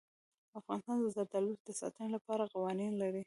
افغانستان د زردالو د ساتنې لپاره قوانین لري.